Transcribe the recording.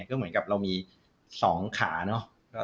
ก็เหมือนกับเรามี๒ขาเนอะ